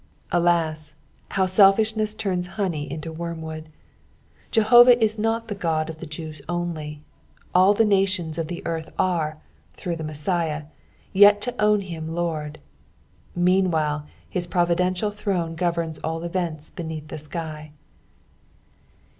Alas I how selBshnesB turns honey into wormwood. Jehovah is not the God of the Jews only, all the nations of the earth are, through the Messiah, yet to own him Lord. Meanwhile his providential throne governs all events beneath the sky.